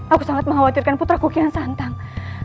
aku sangat mengkhawatirkan putraku kian santang